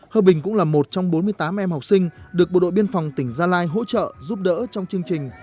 hơ bình cũng là một trong bốn mươi tám em học sinh được bộ đội biên phòng tỉnh gia lai hỗ trợ giúp đỡ trong chương trình